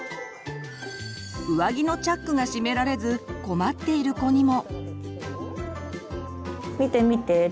上着のチャックが閉められず困っている子にも。